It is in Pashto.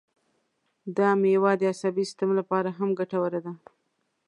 دا مېوه د عصبي سیستم لپاره هم ګټوره ده.